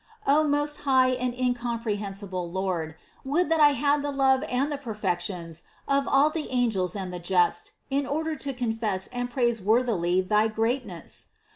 50. O most high and incomprehensible Lord ! Would that I had the love and the perfections of all the angels and the just in order to confess and praise worthily thy greatness!